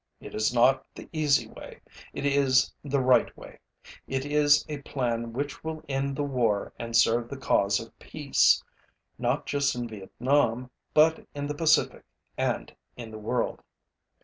It is not the easy way. It is the right way. It is a plan which will end the war and serve the cause of peace, not just in Vietnam but in the Pacific and in the world.